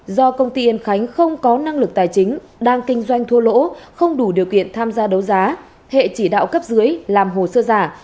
do công ty yên khánh không có năng lực tài chính đang kinh doanh thua lỗ không đủ điều kiện tham gia đấu giá hệ chỉ đạo cấp dưới làm hồ sơ giả